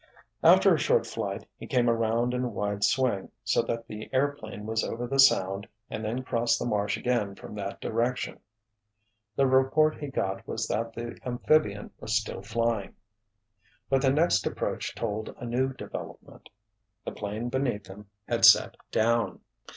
After a short flight he came around in a wide swing, so that the airplane was over the Sound and then crossed the marsh again from that direction. The report he got was that the amphibian was still flying. But the next approach told a new development. The 'plane beneath them had set down!